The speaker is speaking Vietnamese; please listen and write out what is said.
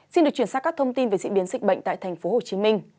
xin được chuyển sang các thông tin về diễn biến dịch bệnh tại tp hcm